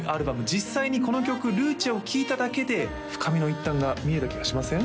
実際にこの曲「ＬＵＣＥ」を聴いただけで深みの一端が見えた気がしません？